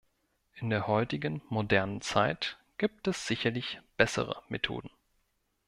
In der heutigen modernen Zeit gibt es sicherlich bessere Methoden.